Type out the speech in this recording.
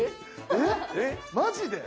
えっマジで？